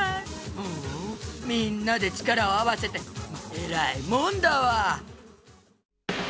うんみんなでちからをあわせてえらいもんだわ！